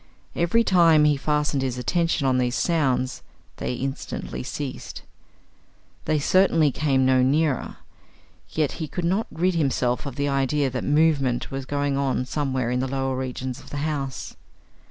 Every time he fastened his attention on these sounds, they instantly ceased. They certainly came no nearer. Yet he could not rid himself of the idea that movement was going on somewhere in the lower regions of the house.